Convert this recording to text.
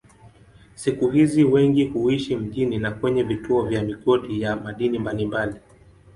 Siku hizi wengi huishi mjini na kwenye vituo vya migodi ya madini mbalimbali.